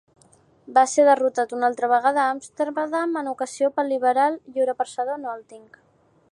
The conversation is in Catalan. Va ser derrotat una altra vegada a Amsterdam, en aquesta ocasió pel liberal lliurepensador Nolting.